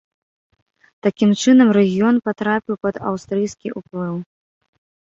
Такім чынам, рэгіён патрапіў пад аўстрыйскі ўплыў.